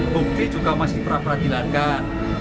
bukti juga masih berat berat dilakukan